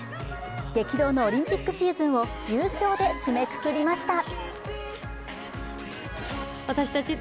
激動のオリンピックシーズンを優勝で締めくくりました。